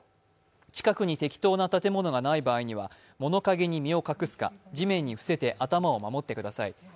近くに適当な建物がない場合は、物影に身を隠すか、地面に伏せて頭を守ってください。